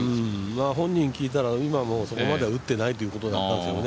本人に聞いたらそこまでは打ってないということだったんですけどね。